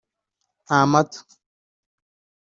nta mata”